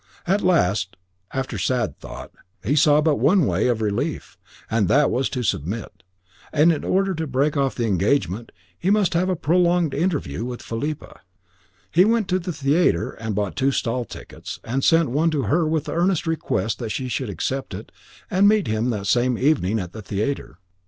At last, after sad thought, he saw but one way of relief, and that was to submit. And in order to break off the engagement he must have a prolonged interview with Philippa. He went to the theatre and bought two stall tickets, and sent one to her with the earnest request that she would accept it and meet him that evening at the theatre.